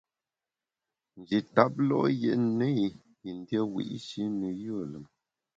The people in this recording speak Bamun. Nji tap lo’ yètne i yin dié wiyi’shi ne yùe lùm.